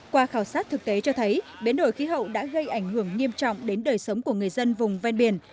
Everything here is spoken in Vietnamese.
qua khảo sát thực tế cho thấy biến đổi khí hậu đã gây ảnh hưởng nghiêm trọng đến đời sống của người dân vùng ven biển